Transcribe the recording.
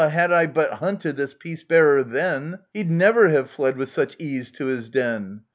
had I but hunted this peace bearer then, He'd never have fled with such ease to his den.